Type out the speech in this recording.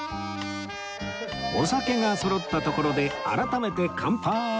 お酒がそろったところで改めて乾杯！